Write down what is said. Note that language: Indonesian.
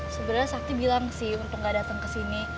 sebenernya sakti bilang sih untung gak datang kesini